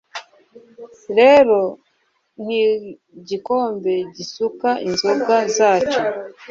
rero, nkigikombe gisuka inzoga zacyo